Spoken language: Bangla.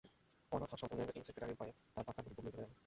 অনাথাসদনের এই সেক্রেটারির ভয়ে তার পাখার গতি খুব মৃদু হয়ে এল।